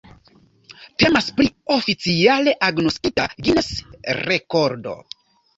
Temas pri oficiale agnoskita Guiness-rekordo.